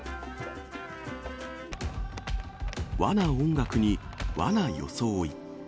和な音楽に、和な装い。